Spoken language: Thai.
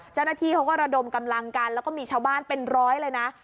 เจ้าหน้าที่เขาก็ระดมกำลังกันแล้วก็มีชาวบ้านเป็นร้อยเลยนะ